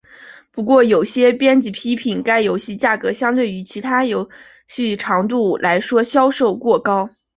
不过有些编辑批评该游戏价格相对于其游戏长度来说售价过高。